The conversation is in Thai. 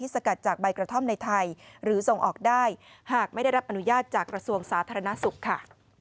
ส่งออกได้หากไม่ได้รับอนุญาตจากระทรวงสาธารณสุขค่ะ